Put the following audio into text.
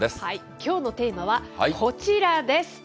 きょうのテーマはこちらです。